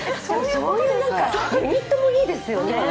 それもいいですよね。